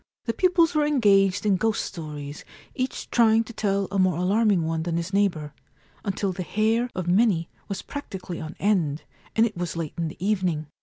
The pupils were engaged in ghost stories, each trying to tell a more alarming one than his neighbour, until the hair of many was practically on end, and it was late in the evening.